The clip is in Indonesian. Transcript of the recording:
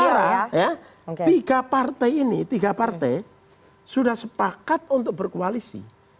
iya karena dia calon presiden sementara tiga partai ini tiga partai sudah sepakat untuk berkoalisi